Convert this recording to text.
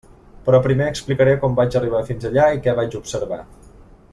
Però primer explicaré com vaig arribar fins allà i què vaig observar.